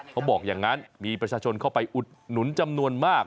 เขาบอกอย่างนั้นมีประชาชนเข้าไปอุดหนุนจำนวนมาก